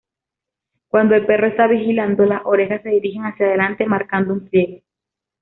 Cuando el perro está vigilando, las orejas se dirigen hacia delante marcado un pliegue.